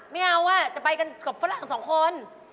ไม่เอาอ่ะจะไปกันกับฝรั่งสองคน